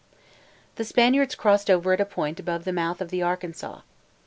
The Spaniards crossed over at a point above the mouth of the Arkansas.